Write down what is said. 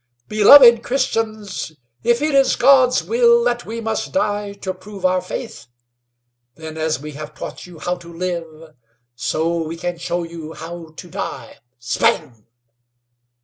"Beloved Christians, if it is God's will that we must die to prove our faith, then as we have taught you how to live, so we can show you how to die " "Spang!"